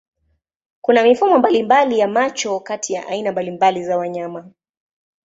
Kuna mifumo mbalimbali ya macho kati ya aina mbalimbali za wanyama.